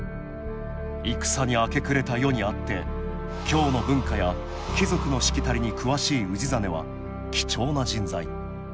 戦に明け暮れた世にあって京の文化や貴族のしきたりに詳しい氏真は貴重な人材。